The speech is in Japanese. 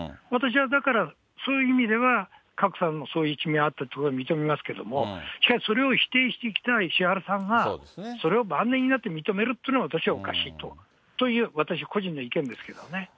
私はだから、そういう意味では角さんのそういう一面があったということは、認めますけども、しかし、それを否定してきた石原さんは、それを晩年になって認めるというのは、私はおかしいと、という、それは私個人の意見ですけどね。